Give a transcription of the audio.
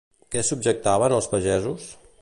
Què subjectaven els pagesos?